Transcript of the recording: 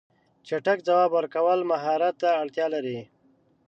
چټک ځواب ورکول مهارت ته اړتیا لري.